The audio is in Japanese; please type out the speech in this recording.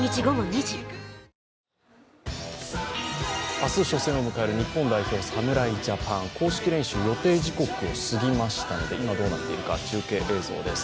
明日初戦を迎える日本代表侍ジャパン。公式練習、予定時刻を過ぎましたので今どうなっているか、中継映像です